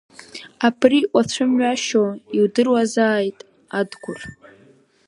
Абри уацәымҩашьо иудыруазааит, Адгәыр.